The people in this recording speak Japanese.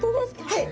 はい！